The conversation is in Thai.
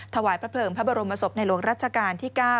ถวายพระเภิงพระบรมศพในหลวงรัชกาลที่๙